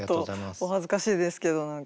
ちょっとお恥ずかしいですけど何か。